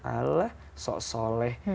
allah sok soleh